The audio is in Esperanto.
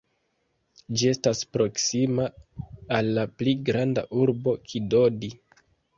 Ĝi estas proksima al la pli granda urbo Kidodi.